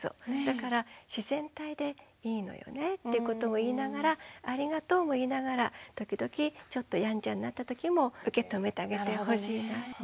だから自然体でいいのよねってことも言いながらありがとうも言いながら時々ちょっとやんちゃになったときも受け止めてあげてほしいなって。